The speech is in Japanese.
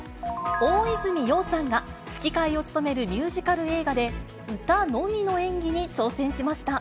大泉洋さんが、吹き替えを務めるミュージカル映画で、歌のみの演技に挑戦しました。